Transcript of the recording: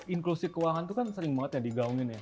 inklusi keuangan itu kan sering banget ya digaungin ya